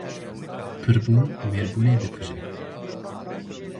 Pirbûn mêrbûnê dikuje